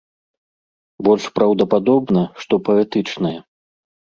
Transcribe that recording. Больш праўдападобна, што паэтычнае.